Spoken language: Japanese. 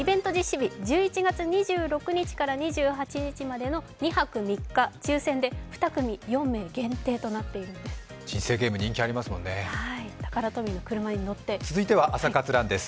日１１月２６日から２８日までの２泊３日、抽選で２組４名限定となっているんです。